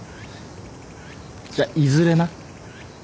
じゃいずれな。